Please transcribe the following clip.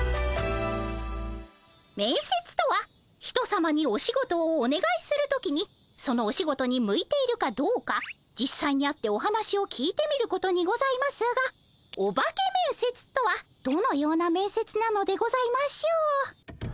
めんせつとは人さまにお仕事をおねがいする時にそのお仕事に向いているかどうかじっさいに会ってお話を聞いてみることにございますが「オバケめんせつ」とはどのようなめんせつなのでございましょう？